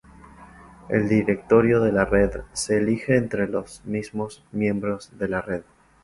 El directorio de la Red se elige entre los mismos miembros de la red.